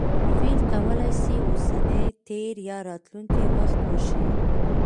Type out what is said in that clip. فعل کولای سي اوسنی، تېر یا راتلونکى وخت وښيي.